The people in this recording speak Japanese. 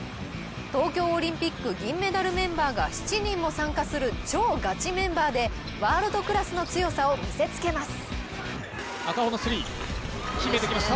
東京オリンピック銀メダルメンバーが７人も参加する超ガチメンバーでワールドクラスの強さを見せつけます。